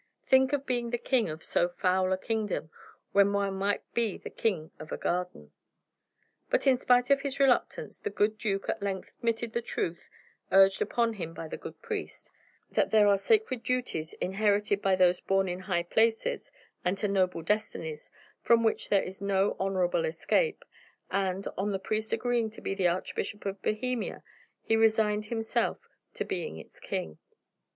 Think of being the king of so foul a kingdom when one might be the king of a garden. But in spite of his reluctance, the good duke at length admitted the truth urged upon him by the good priest that there are sacred duties inherited by those born in high places and to noble destinies from which there is no honorable escape, and, on the priest agreeing to be the Archbishop of Bohemia, he resigned himself to being its king.